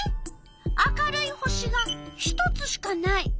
明るい星が１つしかない。